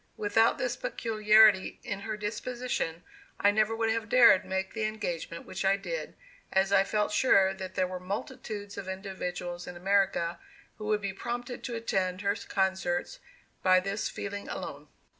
Without this peculiarity in her disposition, I never would have dared make the engagement which I did, as I felt sure that there were multitudes of individuals in America who would be prompted to attend her concerts by this feeling alone.